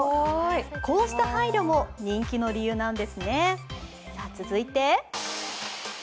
こうした配慮も人気の理由なんですね。